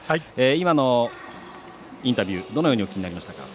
今のインタビューどのようにお聞きになりましたか？